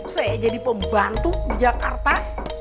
saya jadi pembantu di jakarta